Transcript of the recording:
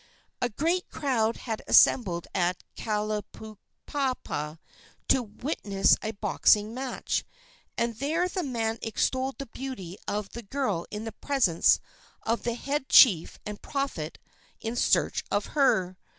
A great crowd had assembled at Kalaupapa to witness a boxing match, and there the man extolled the beauty of the girl in the presence of the head chief and the prophet in search of her.